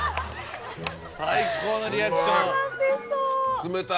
最高のリアクション。